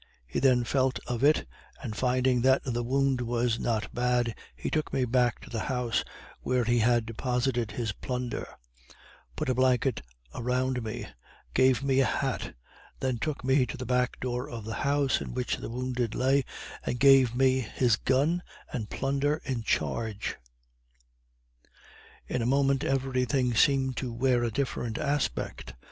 He then felt of it, and finding that the wound was not bad, he took me back to the house where he had deposited his plunder; put a blanket around me, gave me a hat, then took me to the back door of the house in which the wounded lay, and gave me his gun and plunder in charge. In a moment every thing seemed to wear a different aspect.